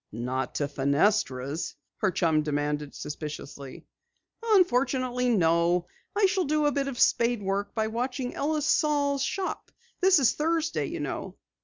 "Not to Fenestra's?" her chum demanded suspiciously. "Unfortunately, no. I shall do a bit of spade work by watching Ellis Saal's shop. This is Thursday, you know."